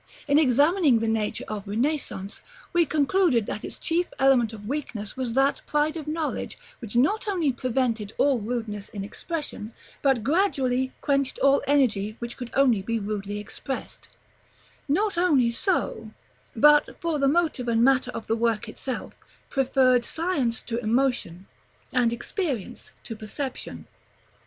In examining the nature of Renaissance, we concluded that its chief element of weakness was that pride of knowledge which not only prevented all rudeness in expression, but gradually quenched all energy which could only be rudely expressed; nor only so, but, for the motive and matter of the work itself, preferred science to emotion, and experience to perception.